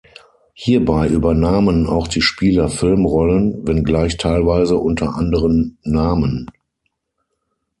Hierbei übernahmen auch die Spieler Filmrollen, wenngleich teilweise unter anderen Namen.